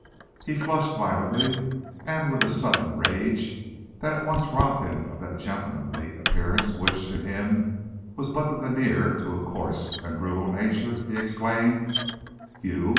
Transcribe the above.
He flushed violently, and with a sudden rage that at once robbed him of that gentlemanly appearance which, in him, was but the veneer to a coarse and brutal nature, he exclaimed: " you!